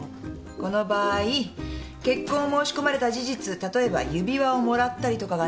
この場合結婚を申し込まれた事実例えば指輪をもらったりとかがないと。